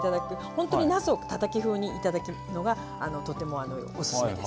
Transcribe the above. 本当になすをたたき風にいただくのがとてもオススメです。